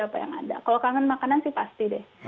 apa yang ada kalau kangen makanan sih pasti deh